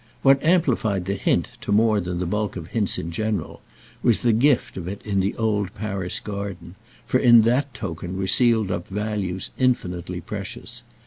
What amplified the hint to more than the bulk of hints in general was the gift with it of the old Paris garden, for in that token were sealed up values infinitely precious.